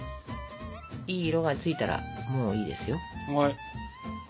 いい色がついたらもういいですよ。